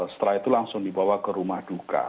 setelah itu langsung dibawa ke rumah duka